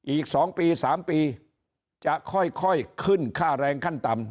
อีก๒ปี๓ปีจะค่อยขึ้นค่าแรงขั้นต่ำ